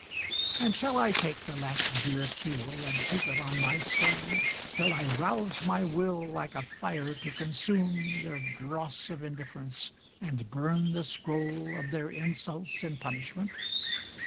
And shall I take The last dear fuel and heap it on my soul Till I rouse my will like a fire to consume Their dross of indifference, and burn the scroll Of their insults in punishment?